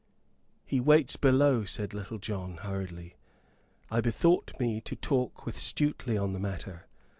"He waits below," said Little John, hurriedly. "I bethought me to talk with Stuteley on the matter.